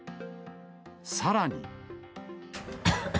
さらに。